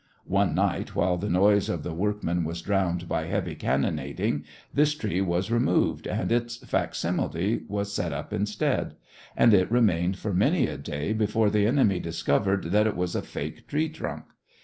One night while the noise of the workmen was drowned by heavy cannonading, this tree was removed and its facsimile was set up instead, and it remained for many a day before the enemy discovered that it was a fake tree trunk.